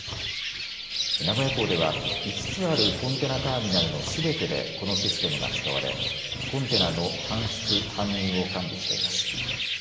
名古屋港では５つあるコンテナターミナルのすべてでこのシステムが使われコンテナの搬出、搬入を管理しています。